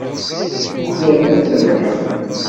Tuklalem ad trebḥem.